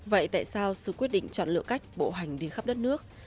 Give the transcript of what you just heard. vậy tại sao sự quyết định chọn lựa cách bộ hành đi khắp đất nước